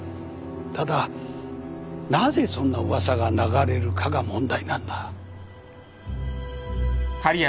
ただなぜそんな噂が流れるかが問題なんだ。